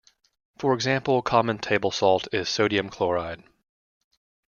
For example, common table salt is sodium chloride.